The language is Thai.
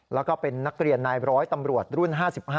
แล้วก็เป็นนักเรียนนายร้อยตำรวจรุ่น๕๕